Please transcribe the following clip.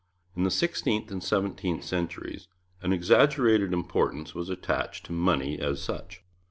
In the sixteenth and seventeenth centuries an exaggerated importance was attached to money as such.